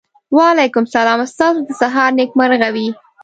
وعلیکم سلام ستاسو د هم سهار نېکمرغه وي.